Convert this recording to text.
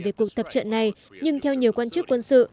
về cuộc tập trận này nhưng theo nhiều quan chức quân sự